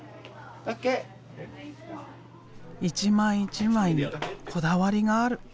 一枚一枚にこだわりがある。